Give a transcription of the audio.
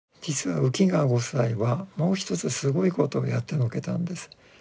実は浮川ご夫妻はもう一つすごいことをやってのけたんです。